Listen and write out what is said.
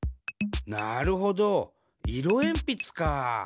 なるほどいろえんぴつかあ。